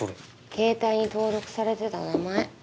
ケータイに登録されてた名前。